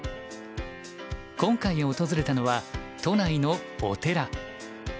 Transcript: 今回訪れたのは都内のお寺。